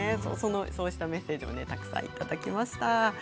そうしたメッセージをたくさんいただきました。